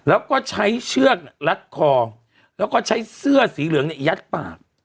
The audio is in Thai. แล้วก็ใช้เชือกรัดคอแล้วก็ใช้เสื้อสีเหลืองเนี่ยยัดปาก